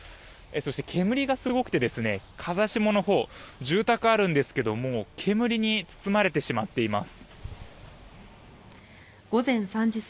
そして煙がすごくて風下のほう住宅があるんですが煙に包まれてしまっています。